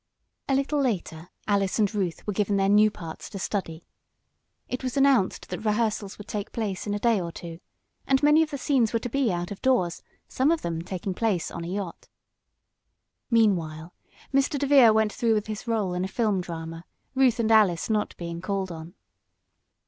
A little later Alice and Ruth were given their new parts to study. It was announced that rehearsals would take place in a day or two, and many of the scenes were to be out of doors, some of them taking place on a yacht. Meanwhile Mr. DeVere went through with his rôle in a film drama, Ruth and Alice not being called on.